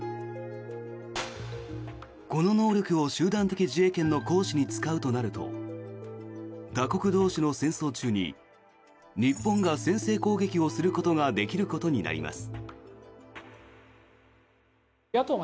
この能力を集団的自衛権の行使に使うとなると他国同士の戦争中に日本が先制攻撃をすることができることになります。